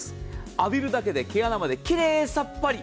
浴びるだけで毛穴まで奇麗さっぱり。